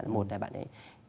một là bạn ấy